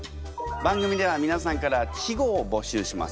番組ではみなさんから稚語を募集します。